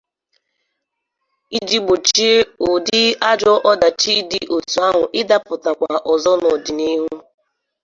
iji gbochie ụdị ajọ ọdachi dị etu ahụ ịdapụtakwa ọzọ n'ọdịnihu